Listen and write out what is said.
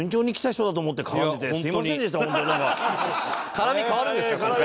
絡み変わるんですか？